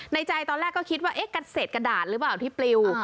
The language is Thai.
ในใจตอนแรกก็คิดว่าเกษตรกระดาษหรือเปล่าที่ปลิว